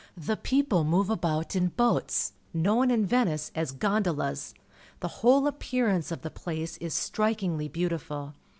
The people move about in boats, known in \'enice as gondolas. The whole appearance of the place is strikingly beautiful.